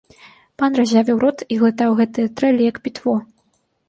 Пан разявіў рот і глытаў гэтыя трэлі, як пітво.